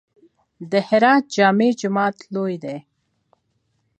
د هرات جامع جومات لوی دی